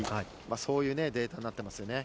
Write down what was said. そういうデータになっていますよね。